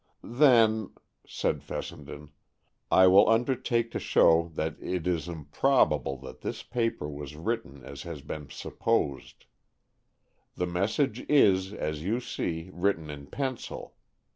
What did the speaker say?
"Then," said Fessenden, "I will undertake to show that it is improbable that this paper was written as has been supposed. The message is, as you see, written in pencil.